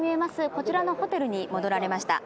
こちらのホテルに戻られました。